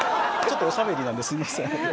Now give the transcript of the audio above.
ちょっとおしゃべりなのですみません。